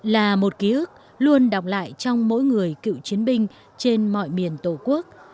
là một ký ức luôn đọc lại trong mỗi người cựu chiến binh trên mọi miền tổ quốc